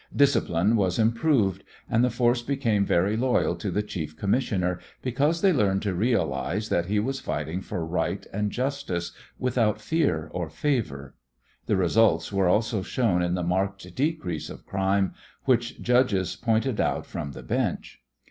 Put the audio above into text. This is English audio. Discipline was improved, and the force became very loyal to the chief commissioner, because they learned to realize that he was fighting for right and justice without fear or favor. The results were also shown in the marked decrease of crime, which judges pointed out from the bench.